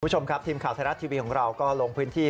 คุณผู้ชมครับทีมข่าวไทยรัฐทีวีของเราก็ลงพื้นที่